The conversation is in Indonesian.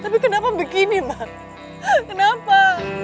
tapi kenapa begini mbak kenapa